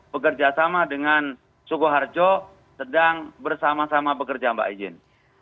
bekerja sama dengan sukoharjo sedang bersama sama bekerja mbak ijin